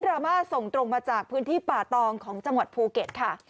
รามาส่งตรงมาจากพื้นที่ป่าตองของจังหวัดภูเก็ตค่ะ